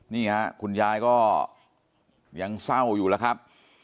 นี่ค่ะคุณยายก็ยังเศร้าอยู่แล้วครับ